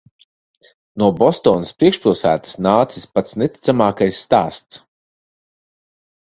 No Bostonas priekšpilsētas nācis pats neticamākais stāsts.